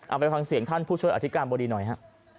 เอาไปฟังเสียงท่านผู้ช่วยอธิการบดีหน่อยฮะ